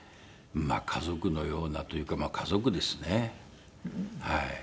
家族のようなというか家族ですねはい。